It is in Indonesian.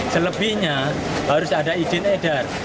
selebihnya harus ada izin edar